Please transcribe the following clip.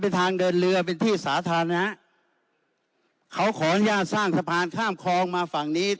เป็นทางเดินเรือเป็นที่สาธารณะเขาขออนุญาตสร้างสะพานข้ามคลองมาฝั่งนี้